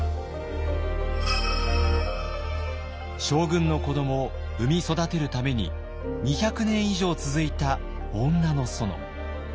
将軍の子どもを産み育てるために２００年以上続いた女の園。